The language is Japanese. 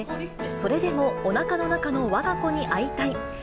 それでもおなかの中のわが子に会いたい。